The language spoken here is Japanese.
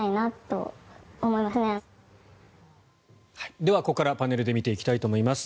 では、ここからパネルで見ていきたいと思います。